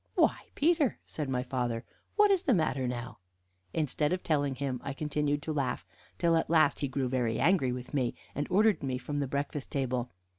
"Why, Peter," said my father, "'what is the matter now?" Instead of telling him I continued to laugh, till at last he grew very angry with me, and ordered me from the breakfast table.